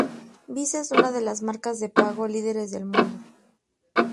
Visa es una de las marcas de pago líderes del mundo.